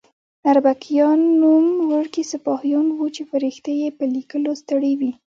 اربکیان نوم ورکي سپاهیان وو چې فرښتې یې په لیکلو ستړې وي.